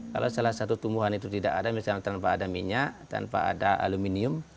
kalau salah satu tumbuhan itu tidak ada misalnya tanpa ada minyak tanpa ada aluminium